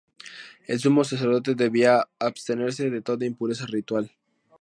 El sumo sacerdote debía abstenerse de toda impureza ritual.